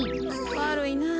わるいなぁ。